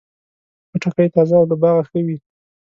خټکی تازه او له باغه ښه وي.